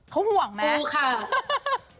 เขาห่วงไหม